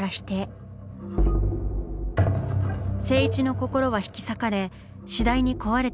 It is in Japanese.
静一の心は引き裂かれ次第に壊れていきます。